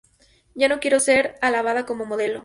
Yo no quiero ser alabada como modelo.